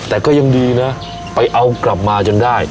แต่ก็ยังดีนะไปเอากลับมาจนได้